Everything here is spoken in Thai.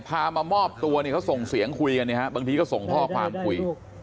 มามอบตัวเนี่ยเขาส่งเสียงคุยกันเนี่ยฮะบางทีก็ส่งข้อความคุย